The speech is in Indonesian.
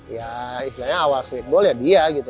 ya istilahnya awal streetball ya dia gitu